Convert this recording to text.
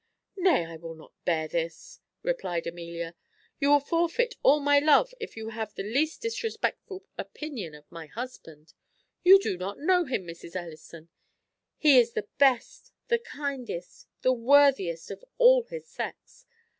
"Nay, I will not bear this," replied Amelia. "You will forfeit all my love if you have the least disrespectful opinion of my husband. You do not know him, Mrs. Ellison; he is the best, the kindest, the worthiest of all his sex.